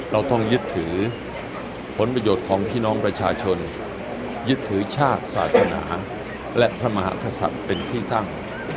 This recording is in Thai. เราต้องยึดถือผลประโยชน์ของพี่น้องประชาชนยึดถือชาติศาสนาและพระมหากษัตริย์เป็นที่ตั้ง